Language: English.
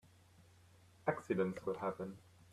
Accidents will happen.